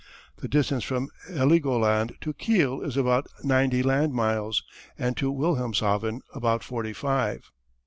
The distance from Heligoland to Kiel is about ninety land miles, and to Wilhelmshaven about forty five.